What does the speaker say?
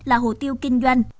là hồ tiêu kinh doanh